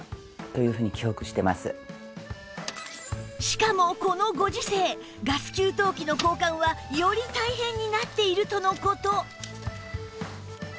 しかもこのご時世ガス給湯器の交換はより大変になっているとの事